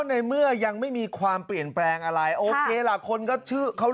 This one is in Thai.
ในเมื่อยังไม่มีความเปลี่ยนแปลงอะไรโอเคล่ะคนก็ชื่อเขา